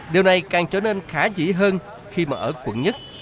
điều này càng trở nên khá dĩ hơn khi mà ở quận một